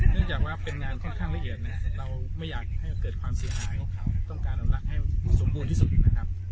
จากว่าเป็นงานค่อนข้างละเอียดนะครับเราไม่อยากให้เกิดความเสียหายต้องการอนุรักษ์ให้สมบูรณ์ที่สุดนะครับ